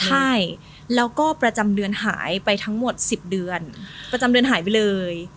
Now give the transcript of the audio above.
ใช่แล้วก็ประจำเดือนหายไปทั้งหมด๑๐เดือนประจำเดือนหายไปเลย